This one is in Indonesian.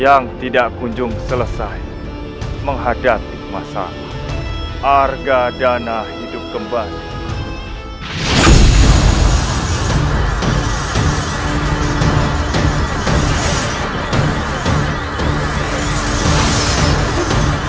yang tidak kunjung selesai menghadapi masa harga dana hidup kembali